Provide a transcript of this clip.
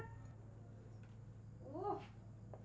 tuh kan gak diangkat